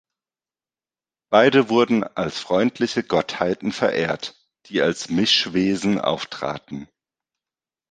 Beide wurden als freundliche Gottheiten verehrt, die als Mischwesen auftraten.